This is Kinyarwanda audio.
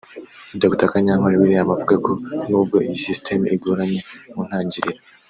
Dr Kanyankore William avuga ko n’ubwo iyi systeme igoranye mu ntangiriro